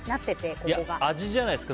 それも味じゃないですか。